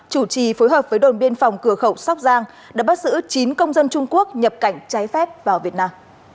chủ trì phối hợp với đồn biên phòng cửa khẩu sóc giang đã bắt giữ chín công dân trung quốc nhập cảnh trái phép vào việt nam